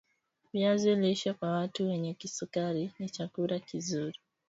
viazi lishe kwa watu wenye kisukari ni chakula kizuri